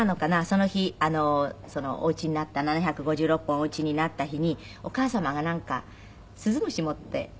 その日お打ちになった７５６本お打ちになった日にお母様がなんか鈴虫持っていらしたんでしょう？